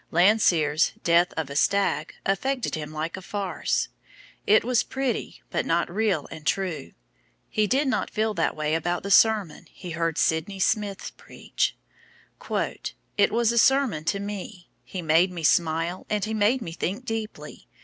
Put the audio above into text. Landseer's "Death of a Stag" affected him like a farce. It was pretty, but not real and true. He did not feel that way about the sermon he heard Sydney Smith preach: "It was a sermon to me. He made me smile and he made me think deeply.